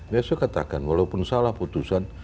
ya saya katakan walaupun salah putusan